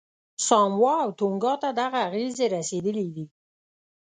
ساموا او تونګا ته دغه اغېزې رسېدلې دي.